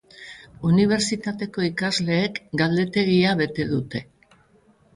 Unibertsitateko ikasleek galdetegia bete dute.